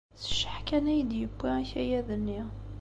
S cceḥ kan ay d-yewwi akayad-nni.